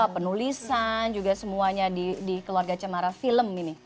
penulisan juga semuanya di keluarga cemara film ini